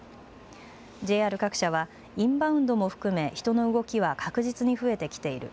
ＪＲ各社はインバウンドも含め人の動きは確実に増えてきている。